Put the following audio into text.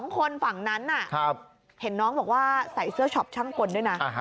๒คนฝั่งนั้นเห็นน้องบอกว่าใส่เสื้อช็อปช่างกลด้วยนะ